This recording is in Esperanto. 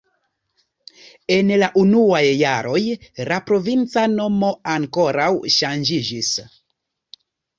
En la unuaj jaroj la provinca nomo ankoraŭ ŝanĝiĝis.